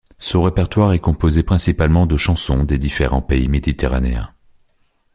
Son répertoire est composé principalement de chansons des différents pays méditerranéens.